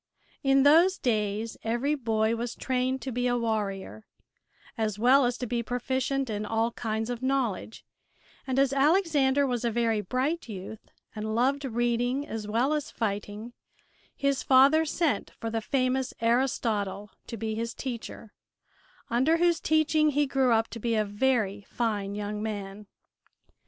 In those days every boy was trained to be a warrior, as well as to be proficient in all kinds of knowledge, and as Alexander was a very bright youth and loved reading as well as fighting his father sent for the famous Aristotle to be his teacher, under whose teaching he grew up to be a very fine young man.